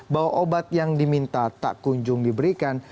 bahwa obat yang diminta tak kunjung diberikan